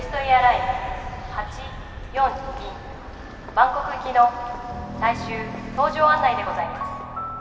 バンコク行きの最終搭乗案内でございます」